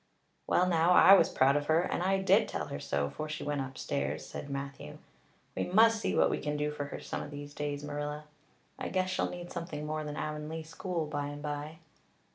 "Well now, I was proud of her and I did tell her so 'fore she went upstairs," said Matthew. "We must see what we can do for her some of these days, Marilla. I guess she'll need something more than Avonlea school by and by."